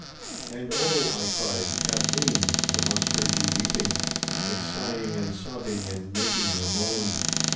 "And oh," I cried, Kathleen, I once heard you weeping And sighing and sobbing and making your moan.